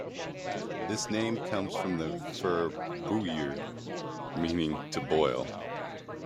This name comes from the verb "bouillir", meaning "to boil".